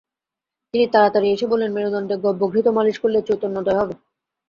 তিনি তাড়াতা়ড়ি এসে বললেন, মেরুদণ্ডে গব্যঘৃত মালিশ করলে চৈতন্যোদয় হবে।